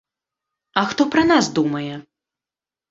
А хто пра нас думае?